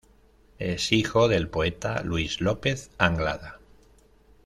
Es hijo del poeta Luis López Anglada.